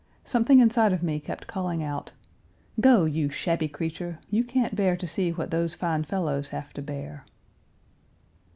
Something inside of me kept calling out, "Go, you shabby creature; you can't bear to see what those fine fellows have to bear."